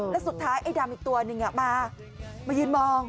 แล้วสุดท้ายไอ้ดำอีกตัวหนึ่งมามายืนมอง